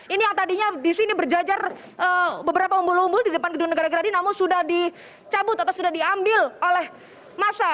ini yang tadinya di sini berjajar beberapa umbul umbul di depan gedung negara geradi namun sudah dicabut atau sudah diambil oleh masa